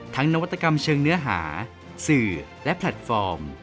นวัตกรรมเชิงเนื้อหาสื่อและแพลตฟอร์ม